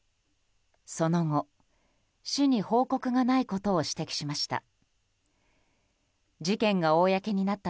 その後、市に報告がないことを指摘しました。